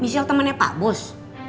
michelle temannya pak bos